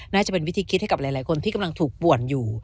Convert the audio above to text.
น่าจะเป็นวิธีคิดให้กับหลายคนที่กำลังถูกป่วนอยู่